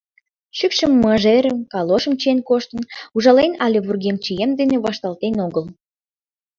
Шӱкшӧ мыжерым, калошым чиен коштын — ужален але вургем-чием дене вашталтен огыл!